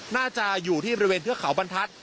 น่าจะอยู่ที่บริเวณเทือกเขาบรรทัศน